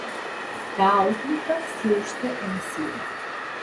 Таа одлука сѐ уште е на сила.